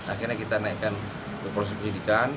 akhirnya kita naikkan ke prosedur penyelidikan